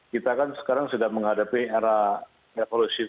kita kan sekarang sudah menghadapi era revolusif